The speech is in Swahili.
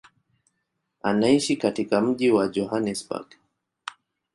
Anaishi katika mji wa Johannesburg.